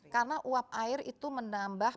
karena uap air itu menambah